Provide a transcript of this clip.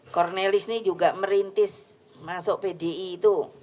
kornelis ini juga merintis masuk bdi itu